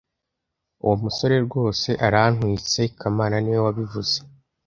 Uwo musore rwose arantwitse kamana niwe wabivuze